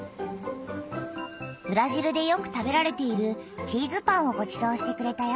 ブラジルでよく食べられているチーズパンをごちそうしてくれたよ。